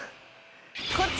こっち！